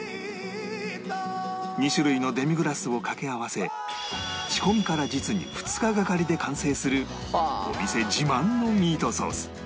２種類のデミグラスをかけ合わせ仕込みから実に２日がかりで完成するお店自慢のミートソース